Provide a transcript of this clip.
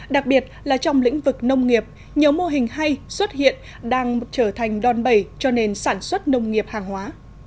đặc biệt là trong lĩnh vực nông nghiệp nhiều mô hình hay xuất hiện đang trở thành đòn bẩy cho nền sản xuất nông nghiệp hàng hóa